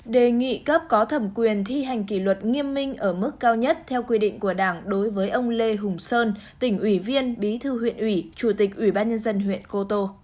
đề nghị cấp có thẩm quyền thi hành kỷ luật nghiêm minh ở mức cao nhất theo quy định của đảng đối với ông lê hùng sơn tỉnh ủy viên bí thư huyện ủy chủ tịch ủy ban nhân dân huyện cô tô